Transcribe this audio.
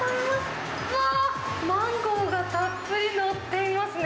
わー、マンゴーがたっぷり載っていますね。